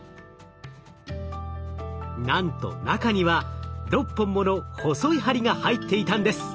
なんと中には６本もの細い針が入っていたんです。